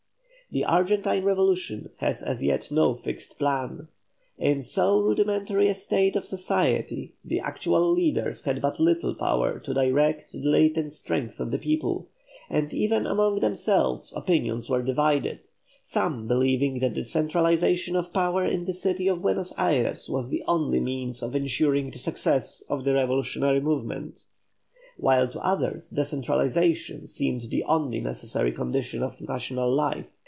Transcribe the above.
The Argentine revolution had as yet no fixed plan. In so rudimentary a state of society the actual leaders had but little power to direct the latent strength of the people, and even among themselves opinions were divided, some believing that the centralisation of power in the city of Buenos Ayres was the only means of ensuring the success of the revolutionary movement, while to others decentralization seemed the one necessary condition of national life.